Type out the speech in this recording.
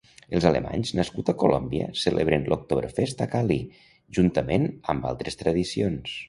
Els alemanys nascuts a Colòmbia celebren l'Oktoberfest a Cali juntament amb altres tradicions.